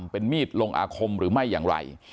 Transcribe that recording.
เป็นมีดลงอาคมหรือไม่อย่างไร